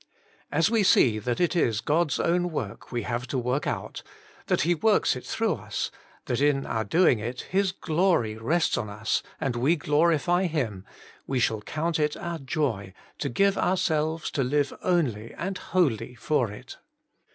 As we see that it is God's own work we have to work out, that He works it through us, that in our doing it His glory rests on us and we glorify Him, we shall count it our joy to give our selves to live only and wholly for it.